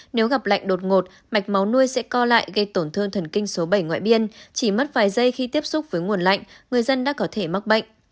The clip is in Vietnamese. nếu gặp lạnh đột ngột mạch máu nuôi sẽ co lại gây tổn thương thần kinh số bảy ngoại biên chỉ mất vài giây khi tiếp xúc với nguồn lạnh người dân đã có thể mắc bệnh